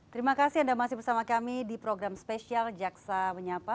terima kasih anda masih bersama kami di program spesial jaksa menyapa